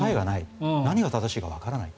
何が正しいかわからない。